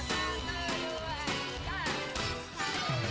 satu dua tiga